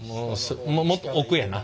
もっと奥やな。